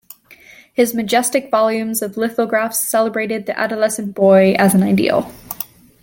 His majestic volumes of lithographs celebrated the adolescent boy as an Ideal.